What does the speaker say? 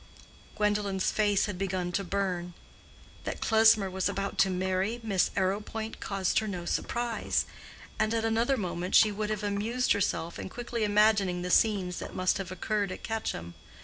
Gwendolen's face had begun to burn. That Klesmer was about to marry Miss Arrowpoint caused her no surprise, and at another moment she would have amused herself in quickly imagining the scenes that must have occurred at Quetcham.